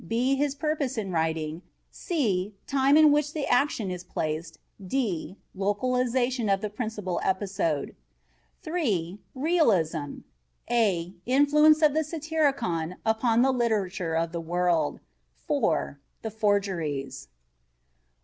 b His Purpose in Writing. c Time in which the Action is placed. d Localization of the Principal Episode. 3. Realism. a Influence of the Satyricon upon the Literature of the World. 4. The Forgeries.